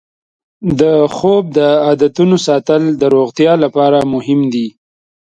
د خوب د عادتونو ساتل د روغتیا لپاره مهم دی.